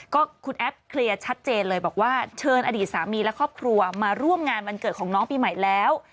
ก็คุณแอฟเคลียร์ชัดเจนเลยบอกว่าเชิญอดีตสามีและครอบครัวมาร่วมงานวันเกิดของน้องปีใหม่แล้ว